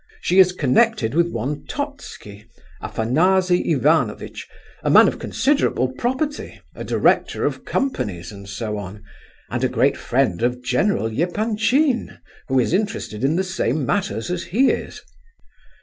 She is connected with one Totski, Afanasy Ivanovitch, a man of considerable property, a director of companies, and so on, and a great friend of General Epanchin, who is interested in the same matters as he is."